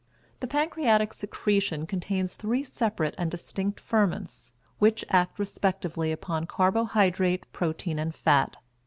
The pancreatic secretion contains three separate and distinct ferments, which act respectively upon carbohydrate, protein, and fat.